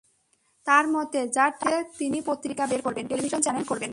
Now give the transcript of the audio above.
তাঁর মতে, যাঁর টাকা আছে তিনি পত্রিকা বের করবেন, টেলিভিশন চ্যানেল করবেন।